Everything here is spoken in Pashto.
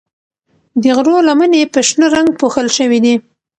د غرو لمنې په شنه رنګ پوښل شوې دي.